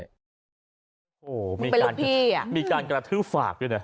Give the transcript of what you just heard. โหมึงเป็นลูกพี่อะมีการกระทืบฝากกันอะ